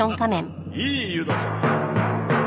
いい湯だぞ！